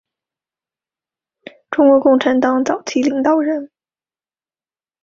中国共产党早期领导人。